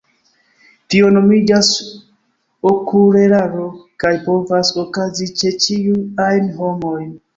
Tio nomiĝas okuleraro, kaj povas okazi ĉe ĉiuj ajn homoj.